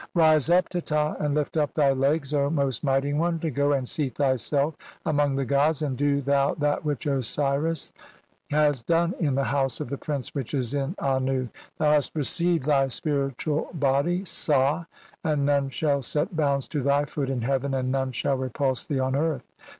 (271) "Rise up, Teta, and lift up thy legs, most "mighty one, to go and seat thyself among the gods, "and do thou that which Osiris hath done in the House "of the Prince which is in Annu ; thou hast received "thy spiritual body (sah), and none shall set bounds "to thy foot in heaven and none shall repulse thee "on earth.